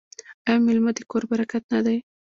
آیا میلمه د کور برکت نه دی؟